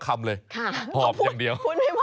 ค่ะพอบอย่างเดียว